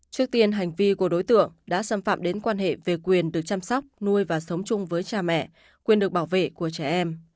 trước tiên hành vi của đối tượng đã xâm phạm đến quan hệ về quyền được chăm sóc nuôi và sống chung với cha mẹ quyền được bảo vệ của trẻ em